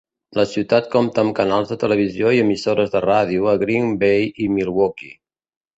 La ciutat compta amb canals de televisió i emissores de ràdio a Green Bay i Milwaukee.